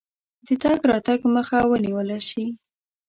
د تګ راتګ مخه ونیوله شي.